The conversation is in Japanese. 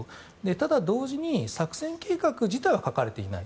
ただ、同時に作戦計画自体は書かれていない。